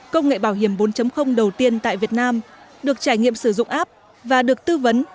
công nghệ bảo hiểm bốn đầu tiên tại việt nam được trải nghiệm sử dụng app và được tư vấn